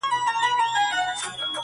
o بې زحمته راحت نسته!